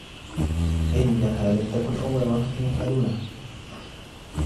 إنها لم تكن أول مرة يفعلوها.